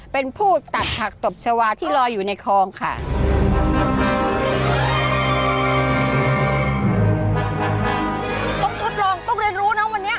ต้องทดลองต้องเรียนรู้นะวันนี้